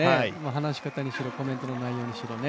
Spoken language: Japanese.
話し方にしろ、コメントの内容にしろね。